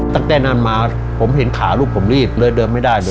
ตั้งแต่นั้นมาผมเห็นขาลูกผมรีบเลยเดินไม่ได้เลย